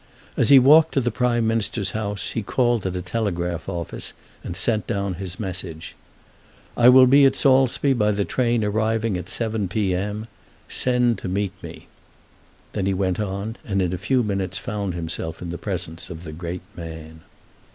As he walked to the Prime Minister's house he called at a telegraph office and sent down his message. "I will be at Saulsby by the train arriving at 7 P.M. Send to meet me." Then he went on, and in a few minutes found himself in the presence of the great man.